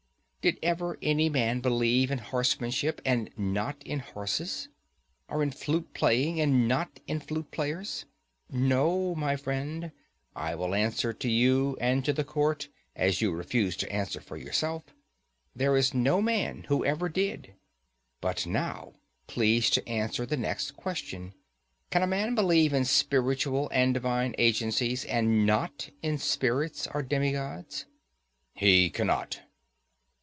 Did ever any man believe in horsemanship, and not in horses? or in flute playing, and not in flute players? No, my friend; I will answer to you and to the court, as you refuse to answer for yourself. There is no man who ever did. But now please to answer the next question: Can a man believe in spiritual and divine agencies, and not in spirits or demigods? He cannot.